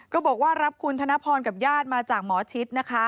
ก็บอกว่ารับคุณธนพรกับญาติมาจากหมอชิดนะคะ